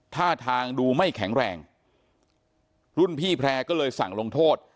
ท่าทางดูไม่แข็งแรงรุ่นพี่แพร่ก็เลยสั่งลงโทษ